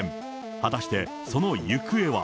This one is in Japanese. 果たしてその行方は。